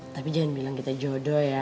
tapi jangan bilang kita jodoh ya